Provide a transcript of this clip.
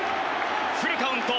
フルカウント。